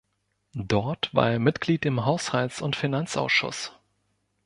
Dort war er Mitglied im Haushalts- und Finanzausschuss.